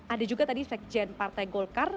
ada juga tadi sekjen partai golkar